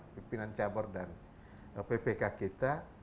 pimpinan cabar dan ppk kita